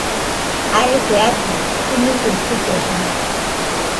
Arefe atɨ ɨniroi tɨfollena